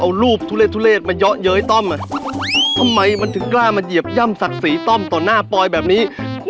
เอารูปทุเลศทุเลศมาเยาะเย้ยต้อมอ่ะทำไมมันถึงกล้ามาเหยียบย่ำศักดิ์ศรีต้อมต่อหน้าปอยแบบนี้